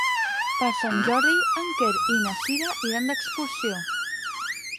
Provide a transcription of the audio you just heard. Per Sant Jordi en Quer i na Cira iran d'excursió.